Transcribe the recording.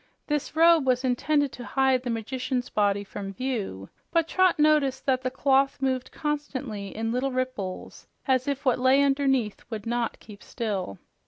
This robe was intended to hide the magician's body from view, but Trot noticed that the cloth moved constantly in little ripples, as if what lay underneath would not keep still.